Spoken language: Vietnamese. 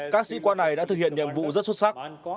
các sĩ quan này đã thực hiện nhiệm vụ rất xuất sắc